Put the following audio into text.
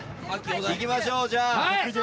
いきましょうじゃあ。